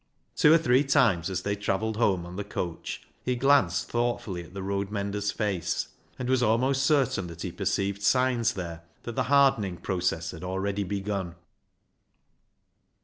Two or three times, as they travelled home on the coach, he glanced thoughtfully at the road mender's face, and was almost certain that he perceived signs there that the hardening process had already begun.